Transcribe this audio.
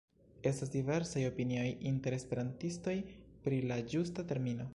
Estas diversaj opinioj inter esperantistoj pri la ĝusta termino.